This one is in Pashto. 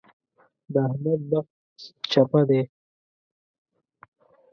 د احمد بخت چپه دی.